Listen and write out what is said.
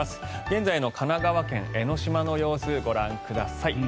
現在の神奈川県・江の島の様子ご覧ください。